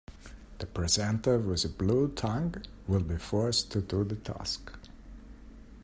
The presenter with a blue tongue will be forced to do the task.